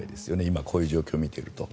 こういう状況を見ていると。